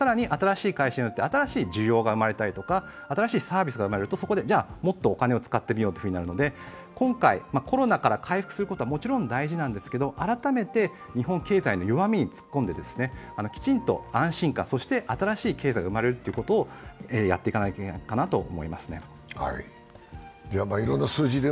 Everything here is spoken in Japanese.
更に新しい会社によって新しい需要が生まれたりとか、新しいサービスが生まれると、そこでもっとお金を使ってみようとなるので今回、コロナから回復することはもちろん大事なんですけど改めて日本経済の弱みに突っ込んできちんと安心感、そして新しい経済が生まれるということをやっていかなきゃいけないと思いますね。